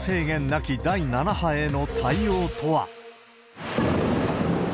なき第７波への対応とは。